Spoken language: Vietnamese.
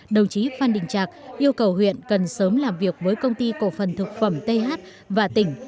đồng chí phan đình trạc yêu cầu huyện cần sớm làm việc với công ty cổ phần thực phẩm th và tỉnh